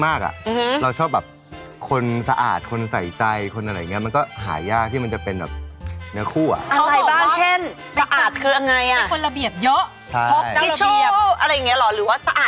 เมื่อใส่รองเท้าหุ้มข้อมาไม่เห็นน่ะเป็นแบบทัชชู